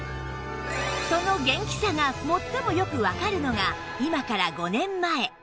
その元気さが最もよくわかるのが今から５年前